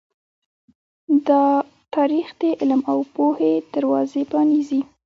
دا تاریخ د علم او پوهې دروازې پرانیزي.